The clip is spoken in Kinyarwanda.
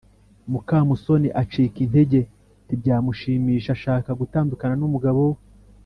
mukamusoni acika intege ntibyamushimisha ashaka gutandukana n’umugabo we;